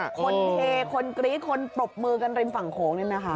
คนเฮคนกรี๊ดคนปรบมือกันริมฝั่งโขงนี่นะคะ